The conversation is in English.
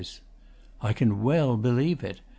I can well believe it.